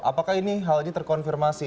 apakah ini hal ini terkonfirmasi